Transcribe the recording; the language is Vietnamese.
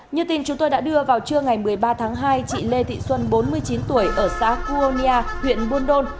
như tin chúng tôi đã đưa vào trưa ngày một mươi ba tháng hai chị lê thị xuân bốn mươi chín tuổi ở xã cua nia huyện buôn đôn